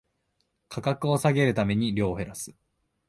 価格を下げるために量を減らす